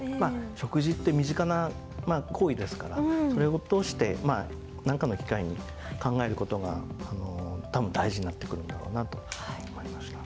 食事って身近な行為ですからそれを通してまあなんかの機会に考える事が多分大事になってくるんだろうなと思いました。